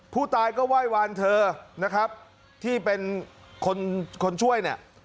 ผู้ตายก็ไหว้วานเธอนะครับที่เป็นคนคนช่วยเนี่ย